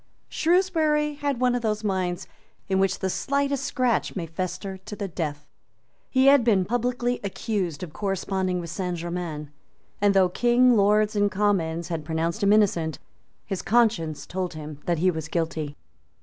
Shrewsbury had one of those minds in which the slightest scratch may fester to the death. He had been publicly accused of corresponding with Saint Germains; and, though King, Lords and Commons had pronounced him innocent, his conscience told him that he was guilty.